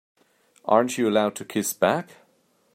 Aren't you allowed to kiss back?